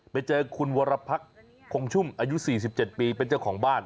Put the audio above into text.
ไปเจอคุณวรพรรคคงชุ่มอายุ๔๗ปีเป็นเจ้าของบ้าน